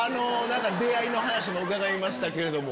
出会いの話も伺いましたけれども。